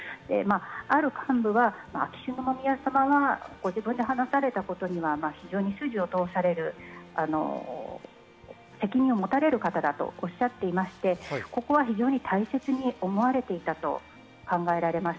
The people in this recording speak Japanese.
ある幹部は、秋篠宮さまはご自分が話されたことには非常に筋を通される、責任を持たれる方だとおっしゃっていまして、ここは非常に大切に思われていたと考えられます。